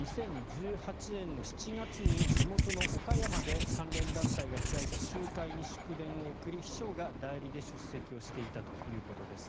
２０１８年の７月に地元の岡山で関連団体が開いた集会に祝電を送り、秘書が代理で出席していたということです。